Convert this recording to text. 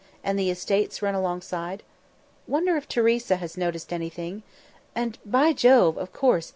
and the estates run alongside. Wonder if Teresa has noticed anything. And by Jove! of course!